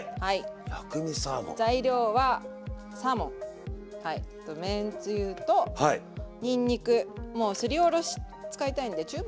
材料はサーモンあとめんつゆとにんにくもうすりおろし使いたいんでチューブでいいです。